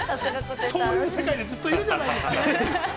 ◆そういう世界にずっといるじゃないですか。